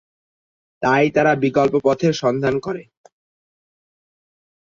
তাই তারা বিকল্প পথের সন্ধান করে।